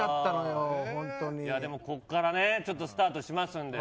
でも、ここからスタートしますんで。